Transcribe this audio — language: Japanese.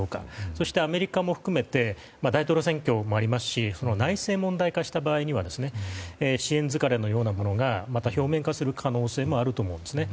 そして、アメリカも含めて大統領選挙もありますし内政問題化した場合には支援疲れのようなものがまた表面化する可能性もあると思うんですね。